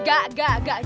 gak gak gak